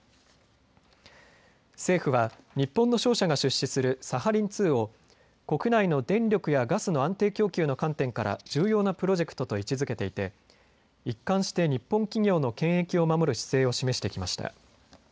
政府は日本の商社が出資するサハリン２を国内の電力やガスの安定供給の観点から重要なプロジェクトと位置づけていて一貫して日本企業の権益を守る姿勢を示してきました。